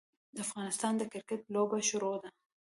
د افغانستان د کرکیټ لوبه شروع ده.